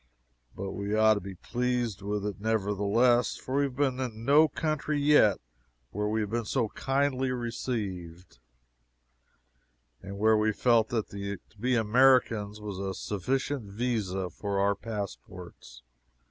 But we ought to be pleased with it, nevertheless, for we have been in no country yet where we have been so kindly received, and where we felt that to be Americans was a sufficient visa for our passports.